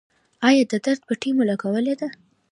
ایا د درد پټۍ مو لګولې ده؟